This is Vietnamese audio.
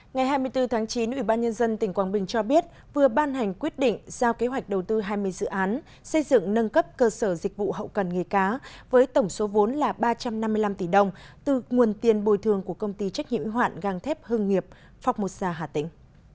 ngày hai mươi bốn tháng chín ủy ban nhân dân tỉnh quảng bình cho biết vừa ban hành quyết định giao kế hoạch đầu tư hai mươi dự án xây dựng nâng cấp cơ sở dịch vụ hậu cần nghề cá với tổng số vốn là ba trăm năm mươi năm tỷ đồng từ nguồn tiền bồi thường của công ty trách nhiệm hoạn găng thép hương nghiệp phóc một sa hà tĩnh